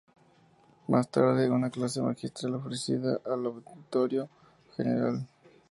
Más tarde, en una clase magistral ofrecida al auditorio, el Gral.